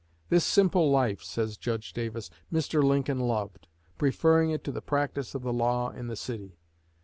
"This simple life," says Judge Davis, "Mr. Lincoln loved, preferring it to the practice of the law in the city.